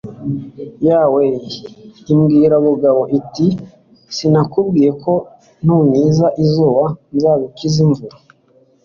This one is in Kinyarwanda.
yawe ibwira bugabo iti sinakubwiye ko nunkiza izuba nzagukiza imvura